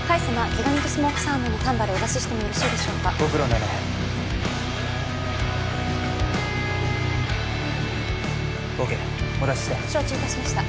毛ガニとスモークサーモンのタンバルお出ししてもよろしいでしょうかご苦労寧々ＯＫお出しして承知いたしました